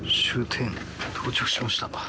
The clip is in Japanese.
終点到着しました。